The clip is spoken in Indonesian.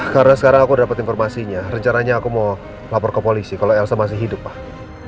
karena sekarang aku udah dapetin informasinya rencaranya aku mau lapor ke polisi kalau elsa masih hidup pak